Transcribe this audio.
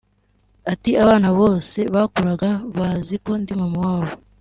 Ati "Abana bose bakuraga bazi ko ndi mama wabo